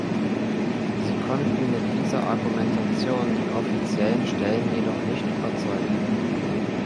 Sie konnten mit dieser Argumentation die offiziellen Stellen jedoch nicht überzeugen.